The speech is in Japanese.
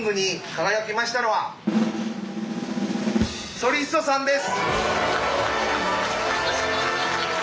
ソリッソさんです。